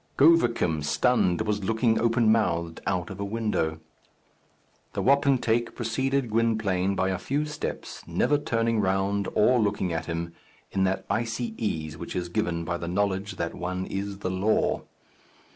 Govicum, stunned, was looking open mouthed out of a window. The wapentake preceded Gwynplaine by a few steps, never turning round or looking at him, in that icy ease which is given by the knowledge that one is the law.